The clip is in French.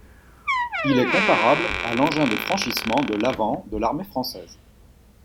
Il est comparable à l'engin de franchissement de l'avant de l'armée française.